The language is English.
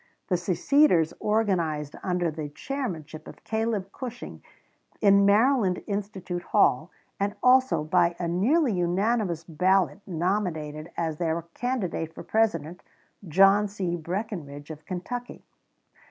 The seceders organized, under the chairmanship of Caleb Cushing, in Maryland Institute Hall, and also by a nearly unanimous ballot nominated as their candidate for President, John C. Breckinridge, of Kentucky.